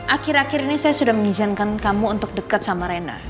akhir akhir ini saya sudah mengizinkan kamu untuk dekat sama rena